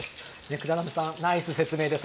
管波さん、ナイス説明です。